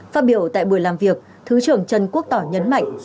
phát biểu tại buổi làm việc thứ trưởng trần quốc tỏ nhấn mạnh